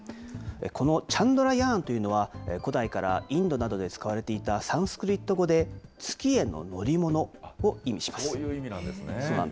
このチャンドラヤーンというのは、古代からインドなどで使われていたサンスクリット語で、月への乗そういう意味なんですね。